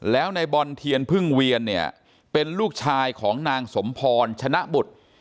แล้วในบอลเทียนพึ่งเวียนเนี่ยเป็นลูกชายของนางสมพรชนะบุตร